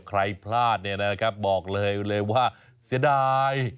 ใครพลาดเนี่ยนะครับบอกเลยว่าเสียดาย